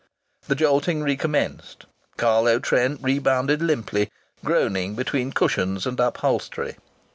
The jolting recommenced. Carlo Trent rebounded limply, groaning between cushions and upholstery.